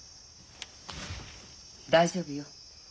大丈夫よ。